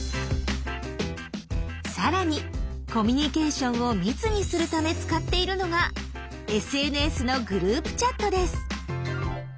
更にコミュニケーションを密にするため使っているのがＳＮＳのグループチャットです。